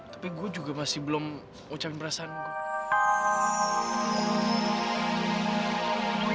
tapi gue juga masih belum ucapin perasaan gue